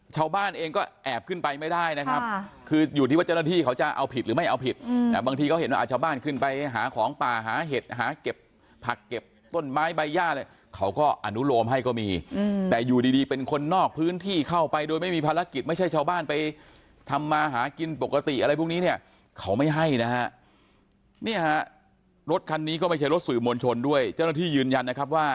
เจ้าบ้านเองก็แอบขึ้นไปไม่ได้นะครับคืออยู่ที่ว่าเจ้าหน้าที่เขาจะเอาผิดหรือไม่เอาผิดแต่บางทีเขาเห็นว่าเจ้าบ้านขึ้นไปหาของป่าหาเห็ดหาเก็บผักเก็บต้นไม้ใบหญ้าเลยเขาก็อนุโรมให้ก็มีแต่อยู่ดีเป็นคนนอกพื้นที่เข้าไปโดยไม่มีภารกิจไม่ใช่เจ้าบ้านไปทำมาหากินปกติอะไรพวกนี้เนี่ยเขาไม่ให้นะรถคันน